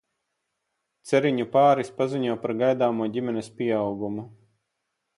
Ceriņu pāris paziņo par gaidāmo ģimenes pieaugumu.